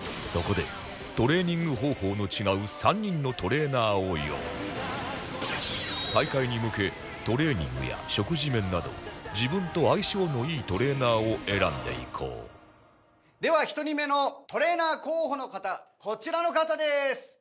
そこでトレーニング方法の違う大会に向けトレーニングや食事面など自分と相性のいいトレーナーを選んでいこうでは１人目のトレーナー候補の方こちらの方です。